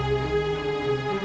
aku mau ke sana